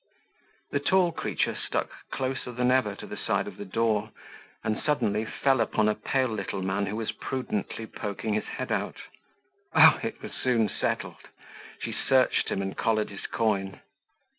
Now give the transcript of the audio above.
The tall creature stuck closer than ever to the side of the door, and suddenly fell upon a pale little man who was prudently poking his head out. Oh! it was soon settled! She searched him and collared his coin.